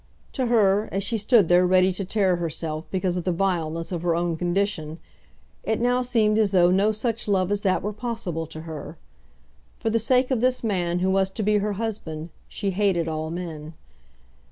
To her, as she stood there ready to tear herself because of the vileness of her own condition, it now seemed as though no such love as that were possible to her. For the sake of this man who was to be her husband, she hated all men.